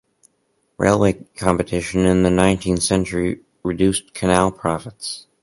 Railway competition in the nineteenth century reduced canal profits.